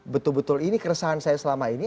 betul betul ini keresahan saya selama ini